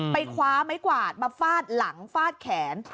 คว้าไม้กวาดมาฟาดหลังฟาดแขน